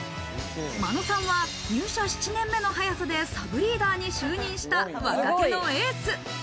真野さんは、入社７年目の早さでサブリーダーに就任した若手のエース。